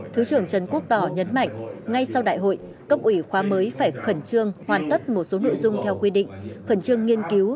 thứ trưởng trần quốc tỏ nhấn mạnh ngay sau đại hội cấp ủy khóa mới phải khẩn trương hoàn tất một số nội dung theo quy định khẩn trương nghiên cứu